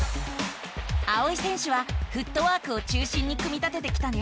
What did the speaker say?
あおい選手はフットワークを中心に組み立ててきたね。